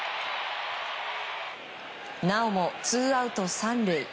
なおもツーアウト３塁。